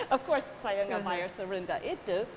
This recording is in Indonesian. tentu saja saya tidak bayar serentak itu